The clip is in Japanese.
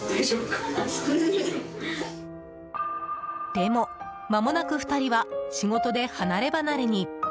でも、まもなく２人は仕事で離れ離れに。